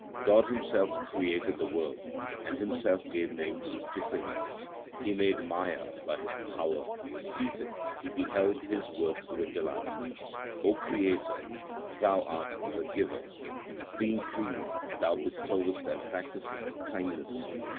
God Himself created the world and Himself gave names to things. He made Maya by His power ; seated He beheld His work with delight. Creator, Thou art the Giver ; being pleased Thou bestowest and practisest kindness.